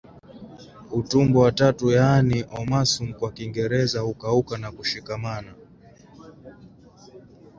Utumbo wa tatu yaani omasum kwa Kiingereza hukauka na kushikamana